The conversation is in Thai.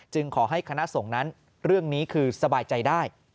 ขอให้คณะสงฆ์นั้นเรื่องนี้คือสบายใจได้